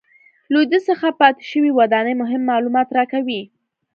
له دوی څخه پاتې شوې ودانۍ مهم معلومات راکوي